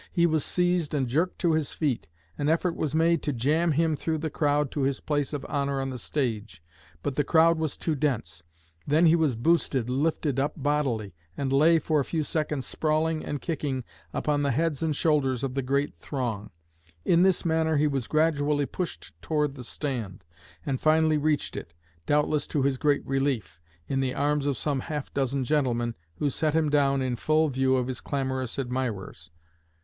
He was seized and jerked to his feet. An effort was made to 'jam him through the crowd' to his place of honor on the stage; but the crowd was too dense. Then he was 'boosted' lifted up bodily and lay for a few seconds sprawling and kicking upon the heads and shoulders of the great throng. In this manner he was gradually pushed toward the stand, and finally reached it, doubtless to his great relief, 'in the arms of some half dozen gentlemen,' who set him down in full view of his clamorous admirers.